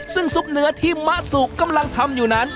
ซึ่งซุปเนื้อที่มะสุกำลังทำอยู่นั้น